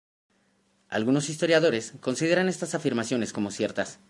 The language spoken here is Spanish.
Algunos historiadores consideran estas afirmaciones como ciertas.